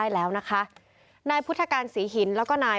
แล้วก็มีคนร้าย